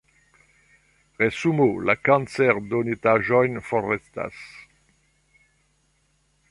Resumo: la kancer-donitaĵoj forestas.